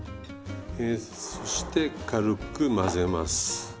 そして軽く混ぜます。